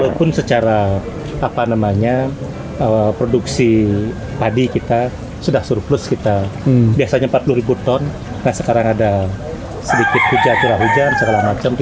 walaupun secara produksi padi kita sudah surplus kita biasanya empat puluh ton nah sekarang ada sedikit hujan hujan segala macam tiga puluh enam ton